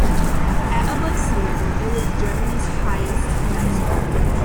At above sea level, it is Germany's highest castle.